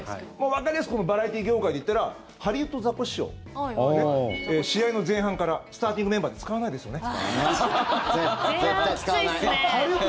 わかりやすくこのバラエティー業界で言ったらハリウッドザコシショウ試合の前半からスターティングメンバーで使わないですよね。